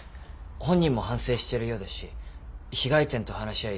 本人も反省してるようですし被害店と話し合い